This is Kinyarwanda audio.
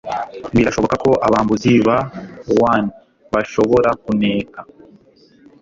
Birashoboka ko abambuzi ba wan bashobora kuneka